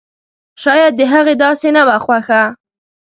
شايد د هغې داسې نه وه خوښه!